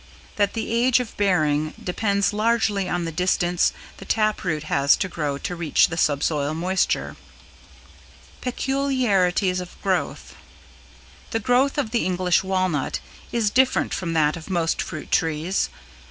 That the age of bearing depends largely on the distance the tap root has to grow to reach the sub soil moisture. [Sidenote: =Peculiarities of Growth=] The growth of the English Walnut is different from that of most fruit trees.